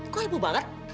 kok heboh banget